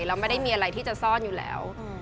เราไม่ได้มีอะไรที่จะซ่อนอยู่แล้ว